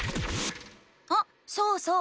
あそうそう！